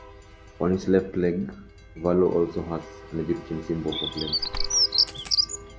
On his left leg, Valo also has an Egyptian symbol for "flame".